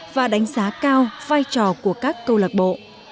và đánh giá cao vai trò của các câu lạc bộ